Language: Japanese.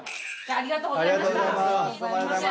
ありがとうございます。